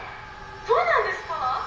そうなんですか！？